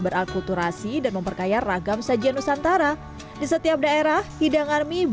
berakulturasi dan memperkaya ragam sajian nusantara di setiap daerah hidangan mie